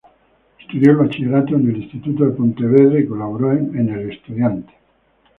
Estudió el bachillerato en el Instituto de Pontevedra y colaboró en "El Estudiante.